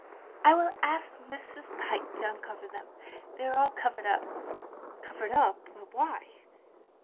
" I will ask Mrs. Pyke to uncover them. They are all covered up. " "Covered up, but why?"